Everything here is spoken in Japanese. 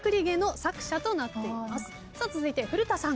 続いて古田さん。